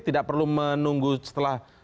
tidak perlu menunggu setelah jam dua belas